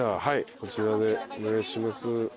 こちらでお願いします。